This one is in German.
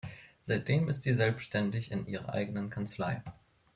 Seitdem ist sie selbständig in ihrer eigenen Kanzlei.